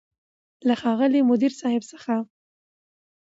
له ښاغلي مدير صيب څخه